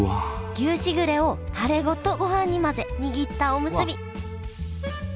牛しぐれをタレごとごはんに混ぜ握ったおむすび！